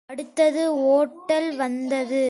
அடுத்தது ஓட்டல் வந்தது.